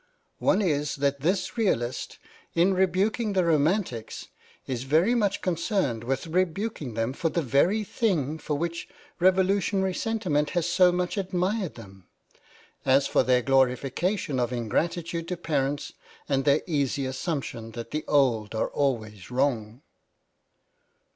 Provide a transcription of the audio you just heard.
One is that this realist, in rebuking the romantics, is very much concerned with rebuking them for the very thing for which revolutionary sentiment has so much admired them ; as for their glorification of ingratitude to parents and their easy assumption that the old are always wrong.